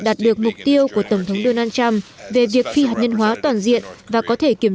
đạt được mục tiêu của tổng thống donald trump về việc phi hạt nhân hóa toàn diện và có thể kiểm